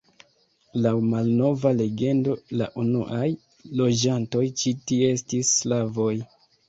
Laŭ malnova legendo la unuaj loĝantoj ĉi tie estis slavoj.